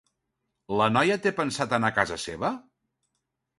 La noia té pensat anar a casa seva?